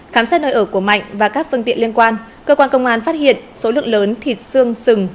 khám xét nơi ở của mạnh và các phương tiện liên quan cơ quan công an phát hiện số lượng lớn thịt xương sừng